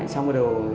xong bắt đầu